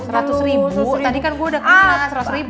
tadi kan gue udah kena seratus ribu